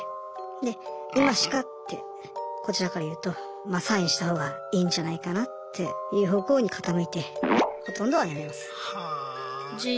で「今しか」ってこちらから言うとサインしたほうがいいんじゃないかなっていう方向に傾いてほとんどは辞めます。